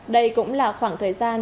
đây cũng là khoảng thời gian